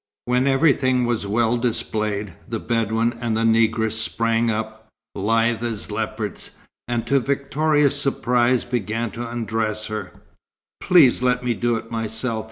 When everything was well displayed, the Bedouin and the negress sprang up, lithe as leopards, and to Victoria's surprise began to undress her. "Please let me do it myself!"